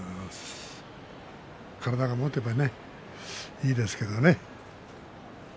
体がもてばね、いいですけどね。